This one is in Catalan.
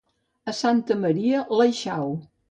A Santa Maria, l'aixau.